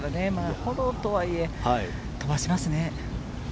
フォローとはいえ飛ばしますね。